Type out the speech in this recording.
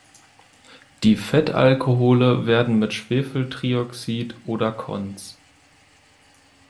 Die Fettalkohole werden mit Schwefeltrioxid oder konz.